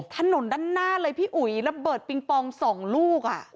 ถนนด้านหน้าเลยพี่อุ๋ยระเบิดปิงปองสองลูกอ่ะ